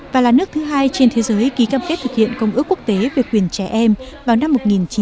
và là nước thứ hai trên thế giới ký cam kết thực hiện công ước quốc tế về quyền trẻ em vào năm một nghìn chín trăm bảy mươi